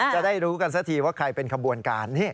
จะได้รู้กันสักทีว่าใครเป็นขบวนการ